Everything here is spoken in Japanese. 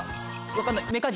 分かんない。